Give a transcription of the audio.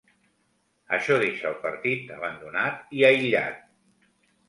Això deixà el partit abandonat i aïllat.